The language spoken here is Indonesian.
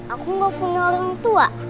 aku nggak punya orang tua